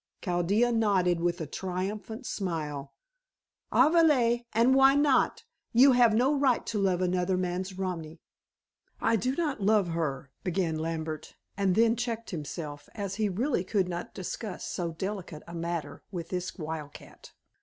Chaldea nodded with a triumphant smile. "Avali! And why not? You have no right to love another man's romi." "I do not love her," began Lambert, and then checked himself, as he really could not discuss so delicate a matter with this wildcat.